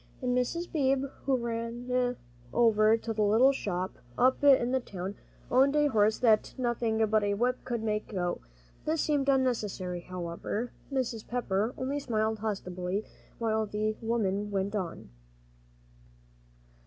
As Mr. Beebe, who ran the little shoe shop up in the town, owned a horse that nothing but a whip could make go, this seemed unnecessary. However, Mrs. Pepper only smiled hospitably, while the woman went on.